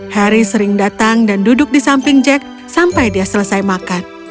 harry sering datang dan duduk di samping jack sampai dia selesai makan